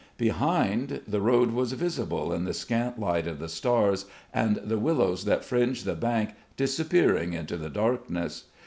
Behind the road was visible in the scant light of the stars and the willows that fringed the bank disappearing into the darkness.